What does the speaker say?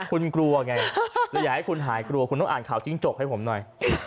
คุณกลัวไงหรืออยากให้คุณหายกลัวคุณต้องอ่านข่าวจิ้งจกให้ผมหน่อย